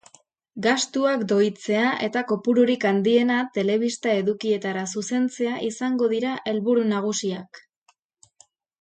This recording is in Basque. Gastuak doitzea eta kopururik handiena telebista edukietara zuzentzea izango dira helburu nagusiak.